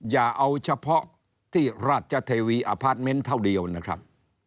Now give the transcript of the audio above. อย่าเอาเฉพาะที่ราชเทวีอพาร์ทเมนต์เท่าเดียวนะครับ